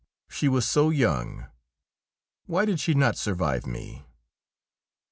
she was so young! Why did she not survive me?